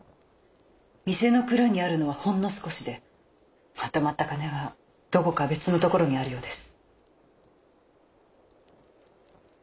店の蔵にあるのはほんの少しでまとまった金はどこか別のところにあるようです。